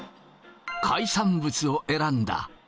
海産物を選んだ。